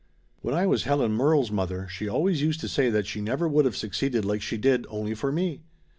When I was Helen Murrell's mother she always used to say that she never would of succeeded like she did only for me."